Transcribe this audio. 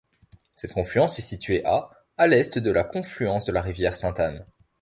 Cette confluence est située à à l'est de la confluence de la rivière Sainte-Anne.